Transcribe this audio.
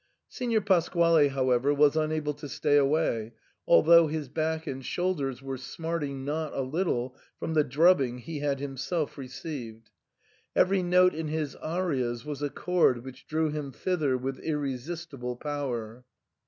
Signor Pasquale, however, was unable to stay away, although his back and shoulders were smarting not a little from the drubbing he had himself received ; every note in his arias was a cord which drew him thither with irresistible power.